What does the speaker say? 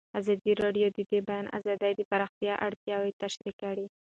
ازادي راډیو د د بیان آزادي د پراختیا اړتیاوې تشریح کړي.